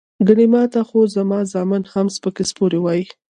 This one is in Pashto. ګني ماته خو زما زامن هم سپکې سپورې وائي" ـ